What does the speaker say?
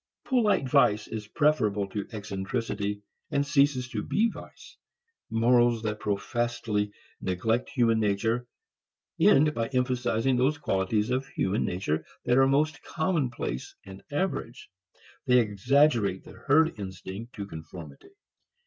Polite vice is preferable to eccentricity and ceases to be vice. Morals that professedly neglect human nature end by emphasizing those qualities of human nature that are most commonplace and average; they exaggerate the herd instinct to conformity.